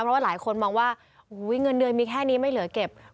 เพราะว่าหลายคนมองว่าเงินเดือนมีแค่นี้ไม่เหลือเก็บ